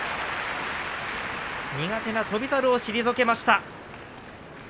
苦手な翔猿を退けました。